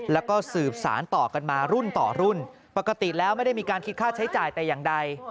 แล้วก็สืบสารต่อกันมารุ่นต่อรุ่นปกติแล้วไม่ได้มีการคิดค่าใช้จ่ายแต่อย่างใด